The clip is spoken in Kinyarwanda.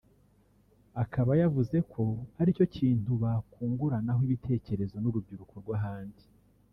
akaba yavuze ko aricyo kintu bakunguranaho ibitekerezo n’urubyiruko rw’ahandi